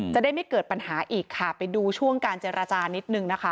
จะได้ไม่เกิดปัญหาอีกค่ะไปดูช่วงการเจรจานิดนึงนะคะ